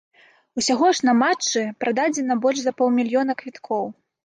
Усяго ж на матчы прададзена больш за паўмільёна квіткоў.